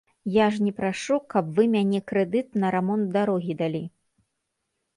Я ж не прашу каб вы мяне крэдыт на рамонт дарогі далі.